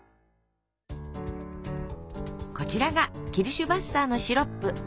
こちらがキルシュヴァッサーのシロップ。